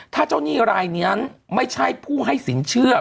ถ้าเจ้าหนี้รายนั้นไม่ใช่ผู้ให้สินเชื่อ